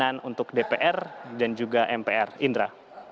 kewenangan untuk dpr dan juga mpr indra